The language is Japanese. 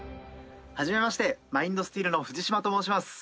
初めましてマインドスティールの藤島と申します。